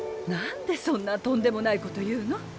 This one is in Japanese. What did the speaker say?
何でそんなとんでもないこと言うの？